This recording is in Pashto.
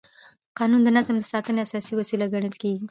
قانون د نظم د ساتنې اساسي وسیله ګڼل کېږي.